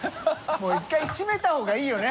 もう一回閉めた方がいいよね。